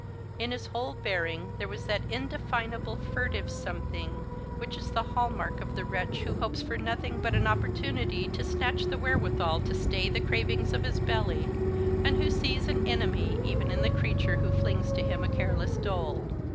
In his whole bearing there was that indefinable, furtive something which is the hall mark of the wretch who hopes for nothing but an opportunity to snatch the wherewithal to stay the cravings of his belly, and who sees an enemy even in the creature who flings to him a careless dole.